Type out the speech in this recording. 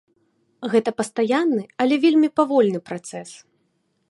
Гэта пастаянны, але вельмі павольны працэс.